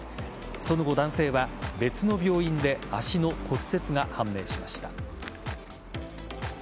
その後、男性は別の病院で足の骨折が判明しました。